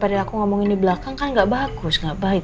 ya daripada aku ngomongin di belakang kan gak bagus gak baik